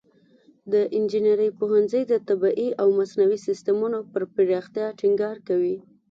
د انجینري پوهنځی د طبیعي او مصنوعي سیستمونو پر پراختیا ټینګار کوي.